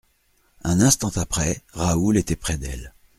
Un instant après, Raoul était près d'elle.